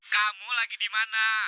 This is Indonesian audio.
kamu lagi di mana